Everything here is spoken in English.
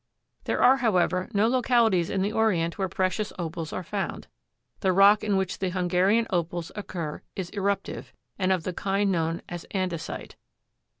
There are, however, no localities in the Orient where precious Opals are found. The rock in which the Hungarian Opals occur is eruptive, and of the kind known as andesite.